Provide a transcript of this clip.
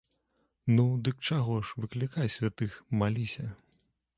Ну, дык чаго ж, выклікай святых, маліся.